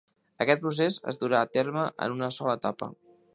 Aquest procés es durà a terme en una sola etapa.